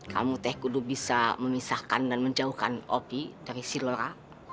kamu teh kudu bisa memisahkan dan menjauhkan opi dari silora